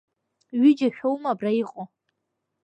Ҩыџьа шәоума абра иҟоу?